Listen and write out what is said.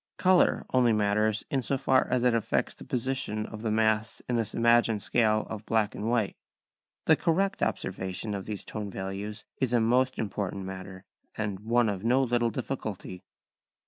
Colour only matters in so far as it affects the position of the mass in this imagined scale of black and white. The correct observation of these tone values is a most important matter, and one of no little difficulty.